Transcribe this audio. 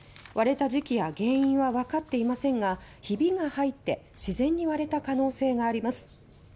割れた時期や原因はわかっていませんがひび割れによって自然に割れた可能性があります。